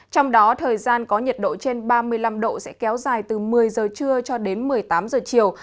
trong đó thời gian có nhiệt độ trên ba mươi năm độ sẽ kéo dài từ một mươi giờ trưa cho đến một mươi tám giờ chiều